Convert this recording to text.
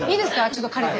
ちょっと借りて。